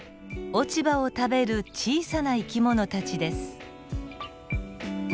落ち葉を食べる小さな生き物たちです。